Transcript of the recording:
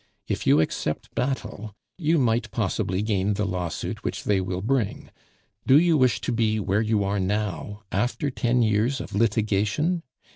If you accept battle, you might possibly gain the lawsuit which they will bring. Do you wish to be where you are now after ten years of litigation?